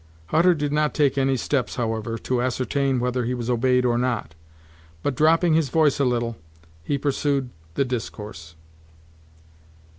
Hutter did not take any steps, however, to ascertain whether he was obeyed or not; but dropping his voice a little, he pursued the discourse.